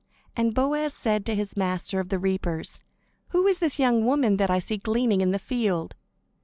And Boaz said to his master of the reapers: "Who is this young woman that I see gleaning in the field?"